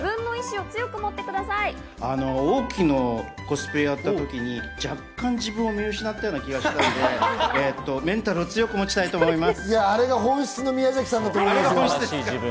王騎のコスプレやったときに若干自分を見失った気がしたので、メンタルを強く持ちたいと思います。